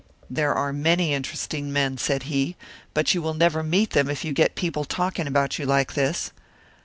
"There are many interesting men," said he, "but you will never meet them if you get people talking about you like this."